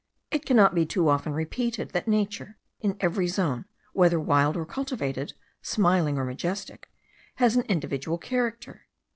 It cannot be too often repeated that nature, in every zone, whether wild or cultivated, smiling or majestic, has an individual character.